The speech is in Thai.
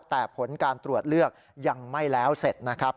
แต่ผลการตรวจเลือกยังไม่แล้วเสร็จนะครับ